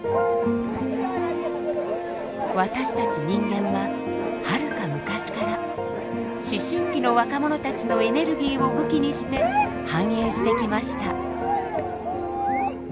私たち人間ははるか昔から思春期の若者たちのエネルギーを武器にして繁栄してきました。